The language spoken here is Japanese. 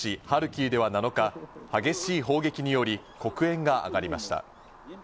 ハルキウでは７日、激しい砲撃により黒煙が上がりました。